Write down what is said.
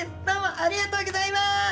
どうもありがとうギョざいます！